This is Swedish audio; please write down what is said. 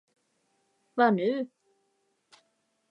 Vad nu?